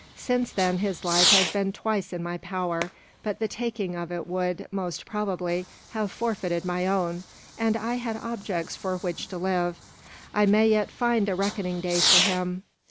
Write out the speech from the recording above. "Since then his life has been twice in my power, but the taking of it would, most probably, have forfeited my own, and I had objects for which to live. I may yet find a reckoning day for him.